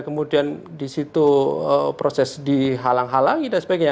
kemudian di situ proses dihalang halangi dan sebagainya